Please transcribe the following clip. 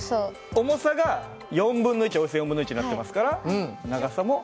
重さが４分の１およそ４分の１になってますから長さも。